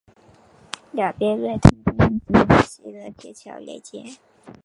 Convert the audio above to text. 两边月台间则以行人天桥连接。